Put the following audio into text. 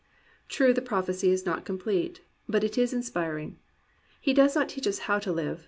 True, the prophecy is not complete. But it is inspiring. He does not teach us how to live.